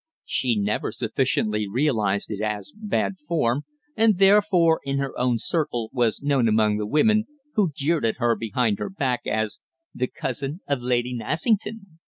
She never sufficiently realised it as bad form, and therefore in her own circle was known among the women, who jeered at her behind her back, as "The Cousin of Lady Nassington."